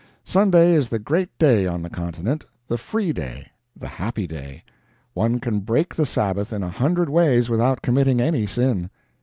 Sunday is the great day on the continent the free day, the happy day. One can break the Sabbath in a hundred ways without committing any sin.